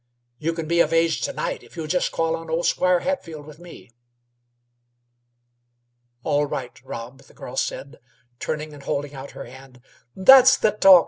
"You c'n be of age to night if you'll jest call on old Square Hatfield with me." "All right, Rob," the girl said, turning and holding out her hand. "That's the talk!"